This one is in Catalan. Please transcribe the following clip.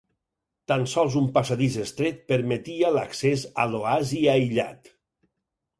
Tan sols un passadís estret permetia l'accés a l'oasi aïllat.